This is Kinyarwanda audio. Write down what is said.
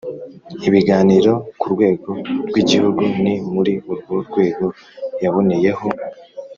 ibiganiro ku rwego rw igihugu Ni muri urwo rwego yaboneyeho